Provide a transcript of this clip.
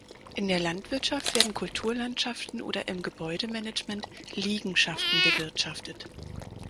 In der Landwirtschaft werden Kulturlandschaften oder im Gebäudemanagement Liegenschaften bewirtschaftet.